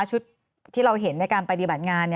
ชุดที่เราเห็นในการปฏิบัติงาน